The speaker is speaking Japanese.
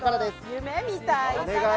夢みたい。